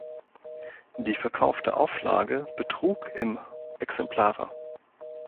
Die verkaufte Auflage betrug im Exemplare.